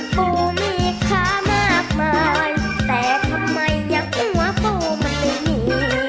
ปู่มีค่ามากมายแต่ทำไมอย่างหัวปูมันไม่มี